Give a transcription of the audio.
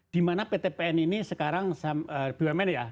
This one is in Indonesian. dimana ptpn ini sekarang bumn ya